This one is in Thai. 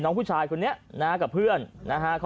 น้องผู้ชายคนนี้กับเพื่อน